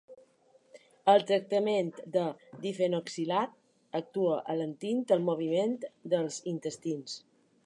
El tractament de difenoxilat actua alentint el moviment dels intestins.